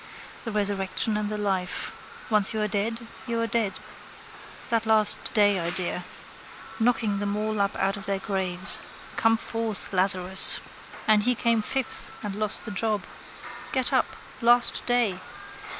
The resurrection and the life. Once you are dead you are dead. That last day idea. Knocking them all up out of their graves. Come forth, Lazarus! And he came fifth and lost the job. Get up! Last day!